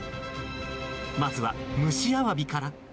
まずは蒸しアワビから。